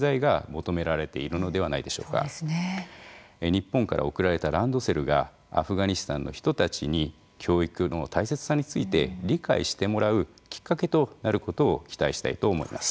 日本から送られたランドセルがアフガニスタンの人たちに教育の大切さについて理解してもらうきっかけとなることを期待したいと思います。